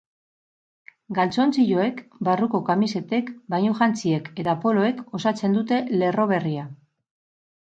Galtzontziloek, barruko kamisetek, bainujantziek eta poloek osatzen dute lerro berria.